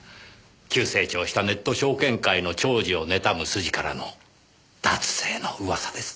急成長したネット証券界の寵児を妬む筋からの脱税のうわさです。